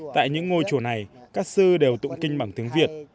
tại những ngôi chùa này các sư đều tụng kinh bằng tiếng việt